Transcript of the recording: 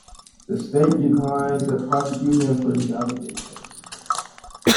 The state declined to prosecute him for these allegations.